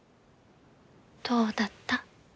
どうだった？